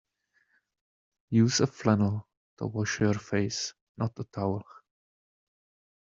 Use a flannel to wash your face, not a towel